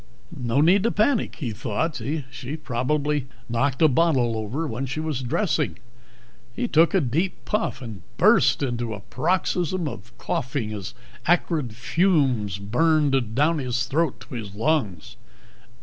No need to panic, he thought. She probably knocked a bottle over when she was dressing. He took a deep puff, and burst into a paroxysm of coughing as acrid fumes burned down his throat to his lungs.